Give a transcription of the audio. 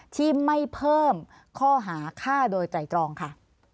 ที่ไม่เพิ่มข้อหาฆ่าโดยไตรตรองค่ะ